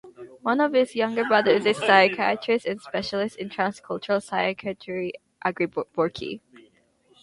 One of his younger brothers is psychiatrist and specialist in transcultural psychiatry Aggrey Burke.